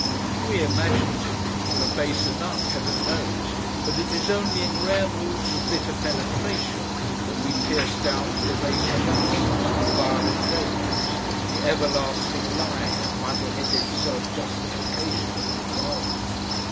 We imaginative people are base enough, heaven knows, but it is only in rare moods of bitter penetration that we pierce down to the baser lusts, the viler shames, the everlasting lying and muddle headed self justification of the dull.